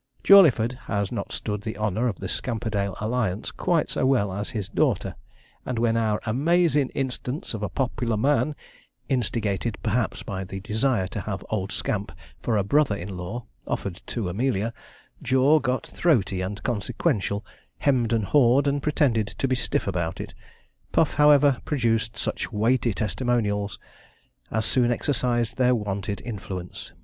Jawleyford has not stood the honour of the Scamperdale alliance quite so well as his daughter; and when our 'amaazin' instance of a pop'lar man,' instigated perhaps by the desire to have old Scamp for a brother in law, offered to Amelia, Jaw got throaty and consequential, hemmed and hawed, and pretended to be stiff about it. Puff, however, produced such weighty testimonials, as soon exercised their wonted influence.